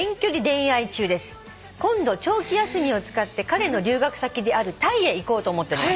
「今度長期休みを使って彼の留学先であるタイへ行こうと思っております」